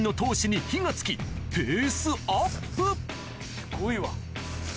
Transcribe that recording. すごいわ。